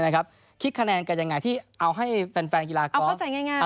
คลิกคะแนนกันยังไงที่เอาให้แฟนยีลากอล์ฟ